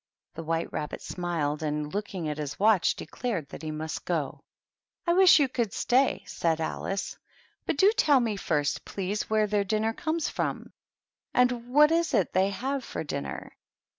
The White Rabbit smiled, and, looking at his watch, declared that he must go. " I wish you could stay," said Alice ;" but do 84 THE TEA TABLE. tell me first, please, where their dinner comes from? And what is it they have for dinner?"